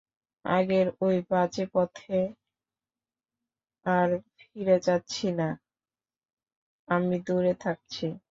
আগের ওই বাজে পথে আর ফিরে যাচ্ছি না, আমি দূরে থাকছি।